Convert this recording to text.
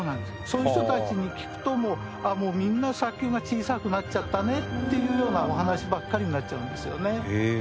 そういう人たちに聞くとみんな「砂丘が小さくなっちゃったね」っていうようなお話ばっかりになっちゃうんですよね。